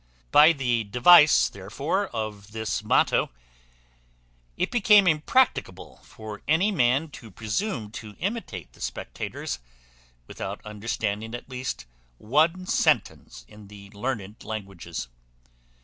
By the device therefore of his motto, it became impracticable for any man to presume to imitate the Spectators, without understanding at least one sentence in the learned languages.